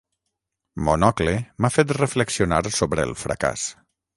Monocle m'ha fet reflexionar sobre el fracàs.